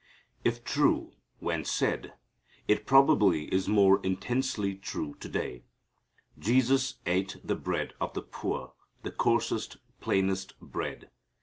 If true when said it probably is more intensely true to day. Jesus ate the bread of the poor, the coarsest, plainest bread.